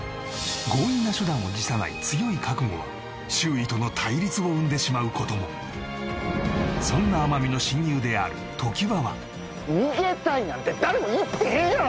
強引な手段を辞さない強い覚悟は周囲との対立を生んでしまうこともそんな天海の親友である常盤は逃げたいなんて誰も言ってへんやろ！